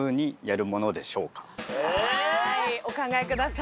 はいお考えください。